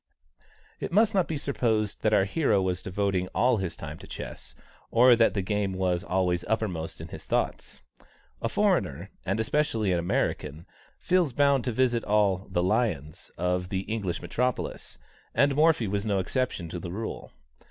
It must not be supposed that our hero was devoting all his time to chess, or that the game was always uppermost in his thoughts. A foreigner, and especially an American, feels bound to visit all "the lions" of the English metropolis, and Morphy was no exception to the rule.